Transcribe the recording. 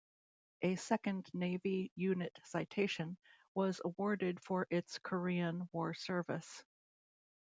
A second Navy Unit citation was awarded for its Korean War service.